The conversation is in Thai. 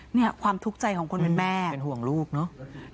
เนี่ยความทุกข์ใจของคนเป็นแม่เป็นห่วงลูกเนอะ